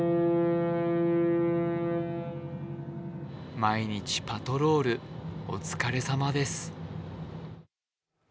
毎日パトロール、お疲れさまです。